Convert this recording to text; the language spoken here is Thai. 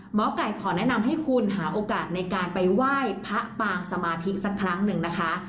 หมอไก่ขอแนะนำให้คุณหาโอกาสในการไปไหว้พระปางสมาธิสักครั้งหนึ่งนะคะ